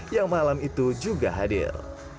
yang malam itu juga hadir